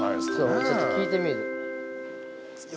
◆ちょっと聞いてみる。